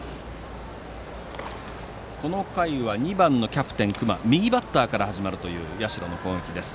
この回は２番のキャプテン、隈右バッターから始まる社の攻撃です。